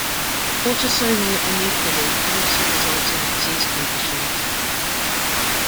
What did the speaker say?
Autosomal aneuploidy can also result in disease conditions.